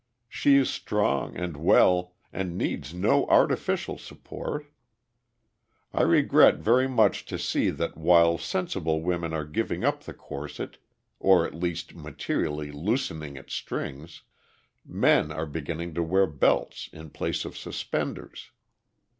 She is strong and well, and needs no artificial support. I regret very much to see that while sensible women are giving up the corset, or at least materially loosening its strings, men are beginning to wear belts in place of suspenders.